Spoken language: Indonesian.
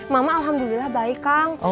mama alhamdulillah baik kang